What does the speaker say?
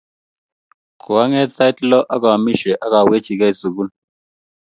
koang'et sait lo aamisie akawechigei sukul